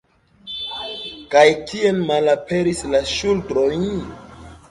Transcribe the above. Kaj kien malaperis la ŝultroj?